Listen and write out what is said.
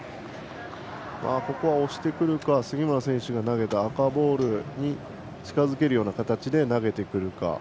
ここは押してくるか杉村選手が投げた赤ボールに近づけるような形で投げてくるか。